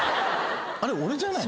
あれ俺じゃない？